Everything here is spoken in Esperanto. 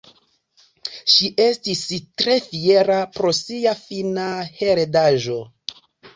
Ŝi estis tre fiera pro sia finna heredaĵo.